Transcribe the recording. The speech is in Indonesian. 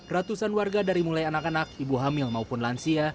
ratusan warga dari mulai anak anak ibu hamil maupun lansia